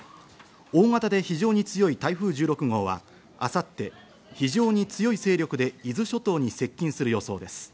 大型で非常に強い台風１６号は、明後日、非常に強い勢力で伊豆諸島に接近する予想です。